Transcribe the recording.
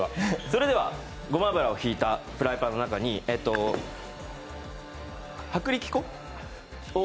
それではごま油を引いたフライパンの中に薄力粉？